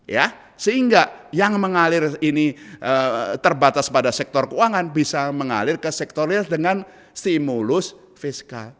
ya sehingga yang mengalir ini terbatas pada sektor keuangan bisa mengalir ke sektor real dengan stimulus fiskal